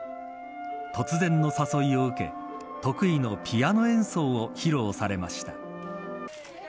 突然の誘いを受け得意のピアノ演奏を披露されました。